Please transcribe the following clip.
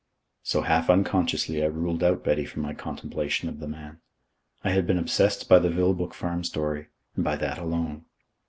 So half unconsciously I ruled out Betty from my contemplation of the man. I had been obsessed by the Vilboek Farm story, and by that alone.